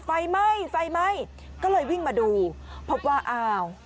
ไฟไหม้ไฟไหม้ก็เลยวิ่งมาดูพบว่าอ้าว